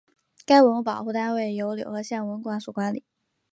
该文物保护单位由柳河县文管所管理。